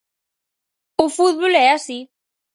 O fútbol é así.